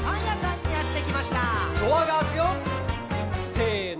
せの。